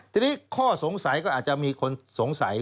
ทีนี้ข้อสงสัยก็อาจจะมีคนสงสัย